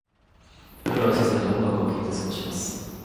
夜は静かに音楽を聴いて過ごします。